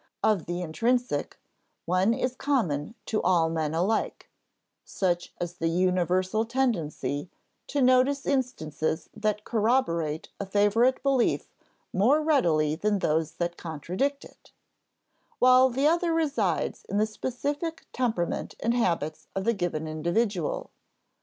Of the intrinsic, one is common to all men alike (such as the universal tendency to notice instances that corroborate a favorite belief more readily than those that contradict it), while the other resides in the specific temperament and habits of the given individual.